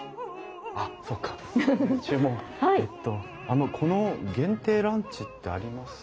あのこの限定ランチってあります？